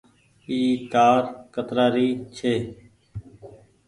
اي تآر ڪترآ ري ڇي۔